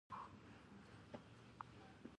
دلته د بحث پایله وړاندې کوو.